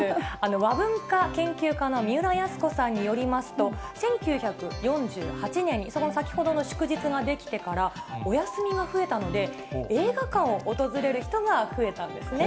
和文化研究家の三浦康子さんによりますと、１９４８年に、その先ほどの祝日が出来てからお休みが増えたので、映画館を訪れる人が増えたんですね。